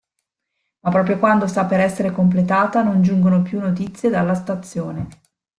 Ma proprio quando sta per essere completata non giungono più notizie dalla stazione.